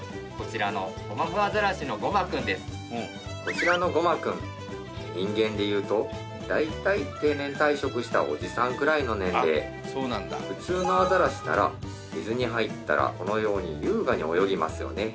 こちらのゴマくん人間でいうと大体定年退職したおじさんくらいの年齢普通のアザラシなら水に入ったらこのように優雅に泳ぎますよね